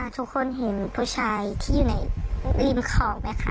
ทุกคนเห็นผู้ชายที่อยู่ในริมคลองไหมคะ